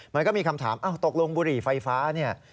มันก็มีคำถามตกลงบุหรี่ไฟฟ้าเนี่ย